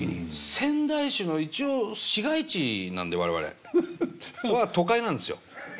仙台市の一応市街地なんで我々。は都会なんですよ。